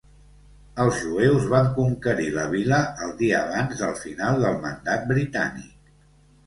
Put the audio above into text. Els jueus van conquerir la vila el dia abans del final del mandat britànic.